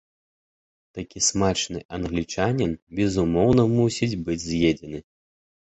Такі смачны англічанін, безумоўна, мусіць быць з'едзены.